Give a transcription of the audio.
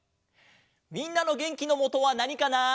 みんなのげんきのもとはなにかな？